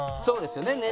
そうですよね。